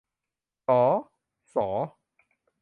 ศอ ษอ